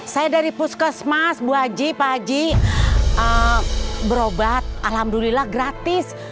saya dari puskesmas bu haji pak haji berobat alhamdulillah gratis